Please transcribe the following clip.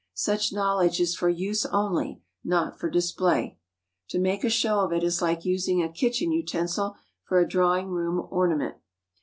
Such knowledge is for use only, not for display. To make a show of it is like using a kitchen utensil for a drawing room ornament.